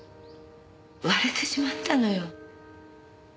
割れてしまったのよ。